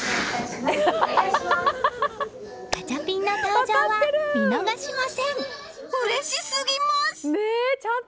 ガチャピンの登場は見逃しません！